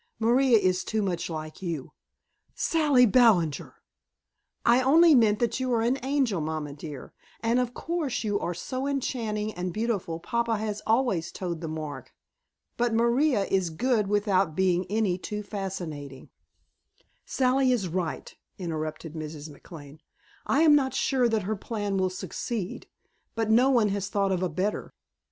Maria is too much like you " "Sally Ballinger!" "I only meant that you are an angel, mamma dear. And of course you are so enchanting and beautiful papa has always toed the mark. But Maria is good without being any too fascinating " "Sally is right," interrupted Mrs. McLane. "I am not sure that her plan will succeed. But no one has thought of a better.